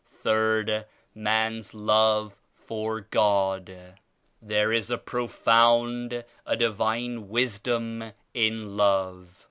3rd — Man's love for God." "There is a profound, a Divine Wisdom in Love.